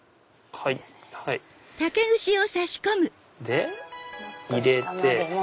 で入れて。